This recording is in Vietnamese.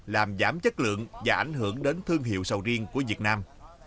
làm giảm chất lượng và ảnh hưởng đến thương hiệu sầu riêng của việt nam